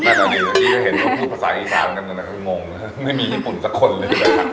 มาตอนนี้ก็เห็นพูดภาษาอีสานกันนะมันมึงไม่มีญี่ปุ่นสักคนเลยค่ะ